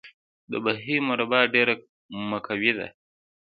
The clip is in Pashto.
د بهي مربا ډیره مقوي ده.